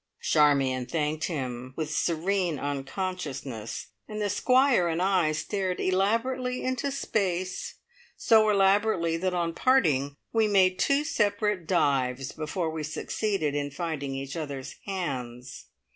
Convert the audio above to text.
Charmion thanked him with serene unconsciousness, and the Squire and I stared elaborately into space, so elaborately that on parting we made two separate dives before we succeeded in finding each other's hands.